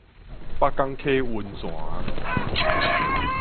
北港溪溫泉